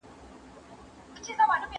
زه د سړي عزت په زړه کي ساتم.